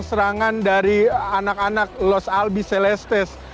serangan dari anak anak los albi celestes